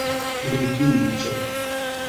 Leviĝo!